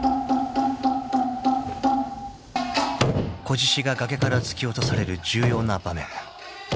［仔獅子が崖から突き落とされる重要な場面］